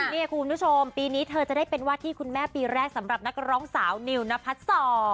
นี่คุณผู้ชมปีนี้เธอจะได้เป็นวาดที่คุณแม่ปีแรกสำหรับนักร้องสาวนิวนพัดศร